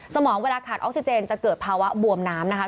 สมองเวลาขาดออกซิเจนจะเกิดภาวะบวมน้ำนะคะ